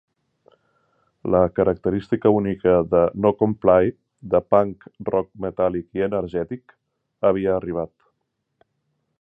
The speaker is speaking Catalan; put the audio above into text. La característica única de NoComply de "punk rock metàl·lic i energètic" havia arribat.